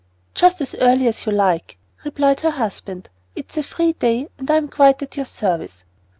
"Just as early as you like," replied her husband. "It's a free day, and I am quite at your service."